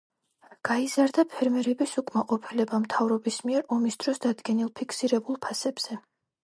გაიზარდა ფერმერების უკმაყოფილება მთავრობის მიერ ომის დროს დადგენილ ფიქსირებულ ფასებზე.